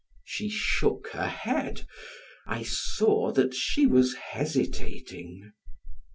She shook her head; I saw that she was hesitating.